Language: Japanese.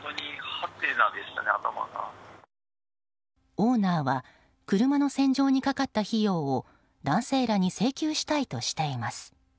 オーナーは車の洗浄にかかった費用を男性らに請求したいとしています。